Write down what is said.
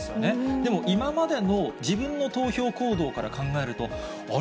でも今までの自分の投票行動から考えると、あれ？